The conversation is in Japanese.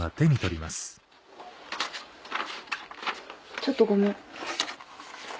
ちょっとごめん。